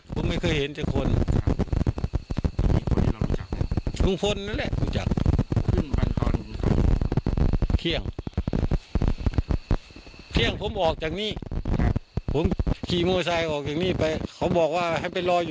สวนยางฝั่งตรงข้ามบ้านเขาใช่มั้ย